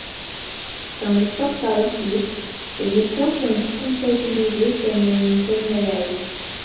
Dans les sports par équipes, les victoires sont comptabilisées comme une seule médaille.